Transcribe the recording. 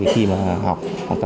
khi mà học